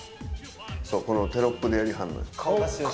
そうこのテロップでやりはんのよ。